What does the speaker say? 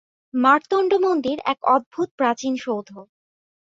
মার্তণ্ড মন্দির এক অদ্ভুত প্রাচীন সৌধ।